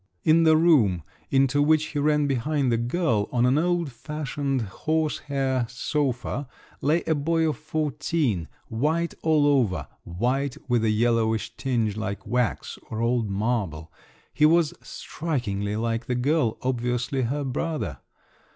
In the room, into which he ran behind the girl, on an old fashioned horse hair sofa, lay a boy of fourteen, white all over—white, with a yellowish tinge like wax or old marble—he was strikingly like the girl, obviously her brother.